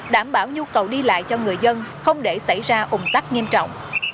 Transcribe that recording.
đảm bảo nhu cầu đi lại cho người dân không để xảy ra ủng tắc nghiêm trọng